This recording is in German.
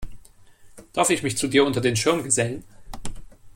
Darf ich mich zu dir unter den Schirm gesellen?